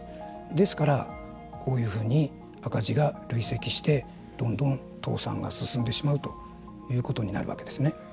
ですから、こういうふうに赤字が累積してどんどん倒産が進んでしまうということになるわけですね。